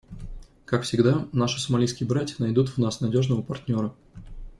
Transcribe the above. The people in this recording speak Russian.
Как всегда, наши сомалийские братья найдут в нас надежного партнера.